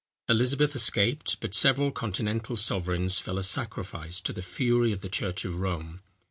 Elizabeth escaped; but several continental sovereigns fell a sacrifice to the fury of the church of Rome.